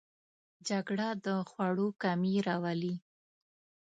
جګړه د خوړو کمی راولي